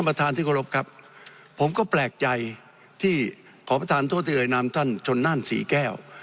ท่านประธานที่โกรภครับผมก็แปลกใจที่ขอประธานโทษทธิวัยนามท่านชนนั่นสีแก้ว